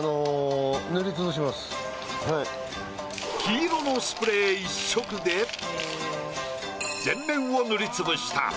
黄色のスプレー１色で全面を塗りつぶした。